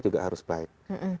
juga harus baik